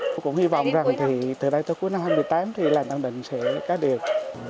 tôi cũng hy vọng rằng thì từ đây tới cuối năm hai nghìn một mươi tám thì làn tăng đỉnh sẽ cá điện